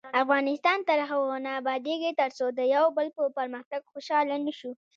افغانستان تر هغو نه ابادیږي، ترڅو د یو بل په پرمختګ خوشحاله نشو.